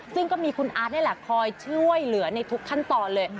ซึ่งก็มีคุณอาร์ตนี่แหละคอยช่วยเหลือในทุกขั้นตอนเลย